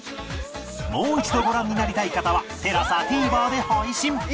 もう一度ご覧になりたい方は ＴＥＬＡＳＡＴＶｅｒ で配信